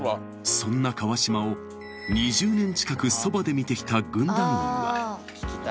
そんな川島を２０年近くそばで見て来た軍団員は聞きたい。